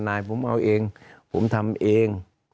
นายผมเอาเองผมทำเอง